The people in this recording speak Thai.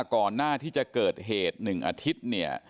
ก่อนหน้าที่จะเกิดเหตุ๑อาทิตย์เนี่ย